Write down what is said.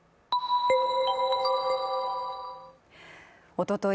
おととい